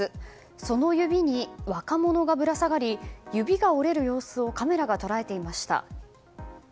その指に若者がぶら下がり指が折れる様子をカメラが捉えていました。